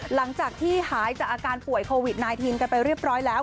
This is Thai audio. หลังจากที่หายจากอาการป่วยโควิด๑๙กันไปเรียบร้อยแล้ว